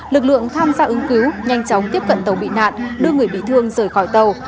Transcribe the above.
lực lượng tham gia ứng cứu nhanh chóng tiếp cận tàu bị nạn đưa người bị thương rời khỏi tàu